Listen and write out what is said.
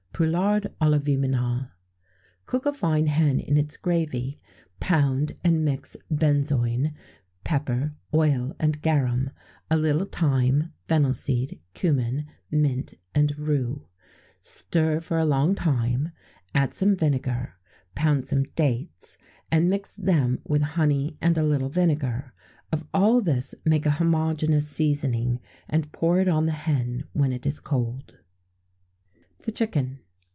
[XVII 26] Poularde à la Viminale. Cook a fine hen in its gravy; pound and mix benzoin, pepper, oil, and garum, a little thyme, fennel seed, cummin, mint, and rue; stir for a long time; add some vinegar; pound some dates, and mix them with honey and a little vinegar. Of all this make a homogeneous seasoning, and pour it on the hen when it is cold.[XVII 27] THE CHICKEN.